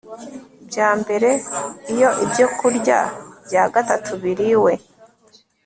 bya mbere Iyo ibyokurya bya gatatu biriwe